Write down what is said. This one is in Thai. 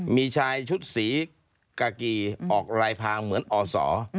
มีชายชุดสีกากีออกรายทางเหมือนอศ